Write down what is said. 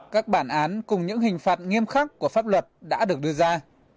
các bản án cùng những hình phạt nghiêm khắc của pháp luật đã được đưa ra